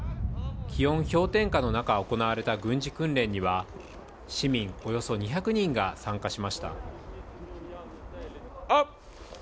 気温氷点下の中行われた軍事訓練には、市民およそ２００人が参加しました。